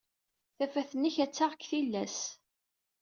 Tafat-nnek ad d-taɣ deg tillas.